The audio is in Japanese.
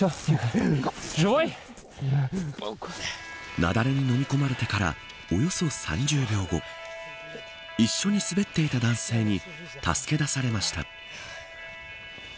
雪崩にのみ込まれてからおよそ３０秒後一緒に滑っていた男性に助け出されました。